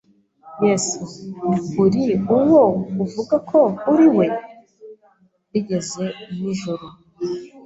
Yesu, uri uwo uvuga ko uri we?” Bigeze nijoro,